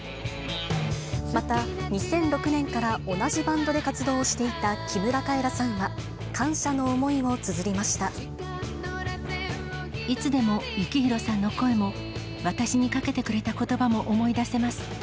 また、２００６年から同じバンドで活動していた木村カエラさんは、いつでも幸宏さんの声も、私にかけてくれたことばも思い出せます。